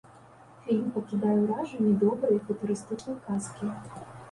Фільм пакідае ўражанне добрай футурыстычнай казкі.